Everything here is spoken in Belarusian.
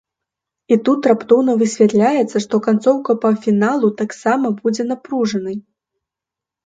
І тут раптоўна высвятляецца, што канцоўка паўфіналу таксама будзе напружанай.